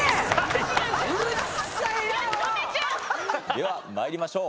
ではまいりましょう。